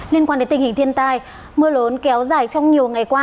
liên quan đến tình hình thiên tai mưa lớn kéo dài trong nhiều ngày qua